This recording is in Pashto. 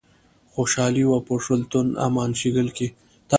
خوشحالي وه په شُلتن، امان شیګل کښي